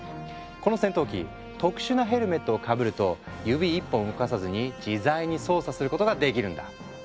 この戦闘機特殊なヘルメットをかぶると指一本動かさずに自在に操作することができるんだ。